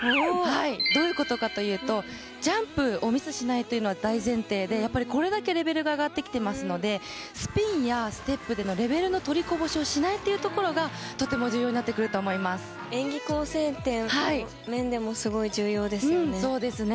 どういうことかと言うとジャンプをミスしないというのは大前提でこれだけレベルが上がってきていますのでスピンやステップでのレベルの取りこぼしをしないというところがとても演技構成点の面でもそうですね。